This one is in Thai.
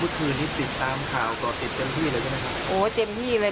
คืนนี้ติดตามข่าวก่อติดเต็มที่เลยใช่ไหมครับโอ้เต็มที่เลย